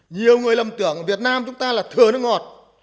nhiều người lầm tưởng việt nam chúng ta là thừa nước ngọt